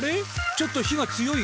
ちょっと火が強い？